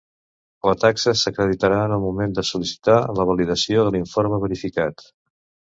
La taxa s'acreditarà en el moment de sol·licitar la validació de l'informe verificat.